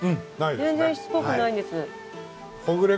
全然しつこくないんです。